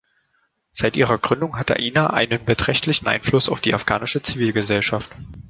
Seit ihrer Gründung hat Aina einen beträchtlichen Einfluss auf die afghanische Zivilgesellschaft.